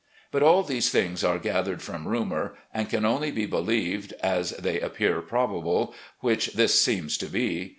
But all these things are gathered from rumovir, and can only be believed as they appear probable, which this seems to be.